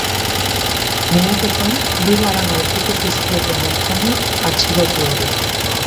Miaketan bi labana aurkitu zizkioten ertzainek atxilotuari.